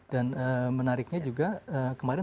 dan menariknya juga kemarin